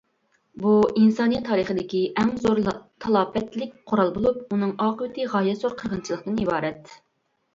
بۇ ئىنسانىيەت تارىخىدىكى ئەڭ زور تالاپەتلىك قورال بولۇپ، ئۇنىڭ ئاقىۋىتى غايەت زور قىرغىنچىلىقتىن ئىبارەت.